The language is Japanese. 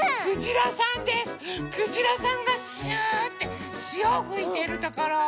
くじらさんがシューッてしおふいてるところ。